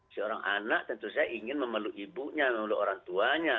seorang anak tentu saya ingin memeluk ibunya memeluk orang tuanya